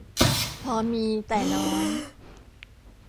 พอมี แต่น้อย